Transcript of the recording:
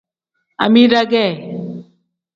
Amida ge.